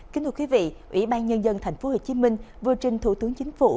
kính thưa quý vị ủy ban nhân dân tp hcm vừa trình thủ tướng chính phủ